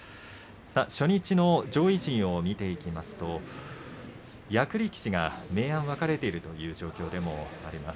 初日の上位陣を見ていきますと役力士が明暗分かれているという状況でもあります。